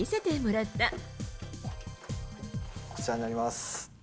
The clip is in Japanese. こちらになります。